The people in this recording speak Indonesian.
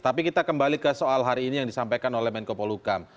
tapi kita kembali ke soal hari ini yang disampaikan oleh menko polukam